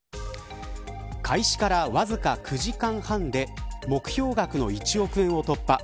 開始からわずか９時間半で目標額の１億円を突破。